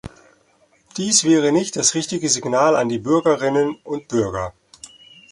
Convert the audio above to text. Dies wäre nicht das richtige Signal an die Bürgerinnen und Bürger.